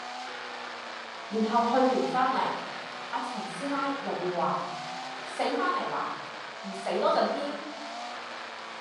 然後去完番嚟,阿陳師奶又會話：死番嚟啦，唔死多陣添?